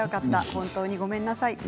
本当にごめんなさい。